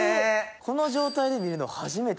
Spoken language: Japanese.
この状態で見るの初めて。